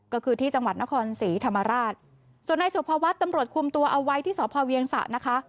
ก็คือที่จังหวัดนครศรีธรรมราชส่วนนายสุภวัฒน์ตำรวจคุมตัวเอาไว้ที่สพเวียงสะนะคะ